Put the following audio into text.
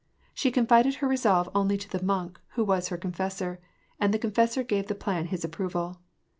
She confided her resolve only to the monk, who was her confessor, and the confessor gave the plan his approval.